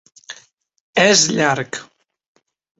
És llarg.